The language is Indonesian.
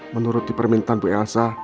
menuruti permintaan bu elsa